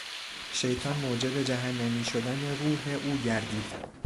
شیطان موجب جهنمی شدن روح او گردید.